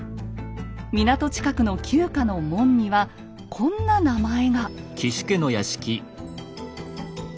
港近くの旧家の門にはこんな名前が。